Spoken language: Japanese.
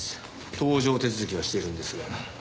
搭乗手続きはしているんですが。